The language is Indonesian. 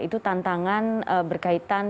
itu tantangan berkaitan